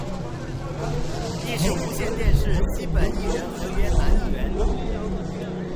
亦是无线电视基本艺人合约男艺员。